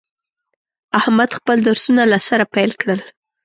احمد خپل درسونه له سره پیل کړل.